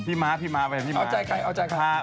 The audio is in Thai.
เอาใจใครเอาใจใคร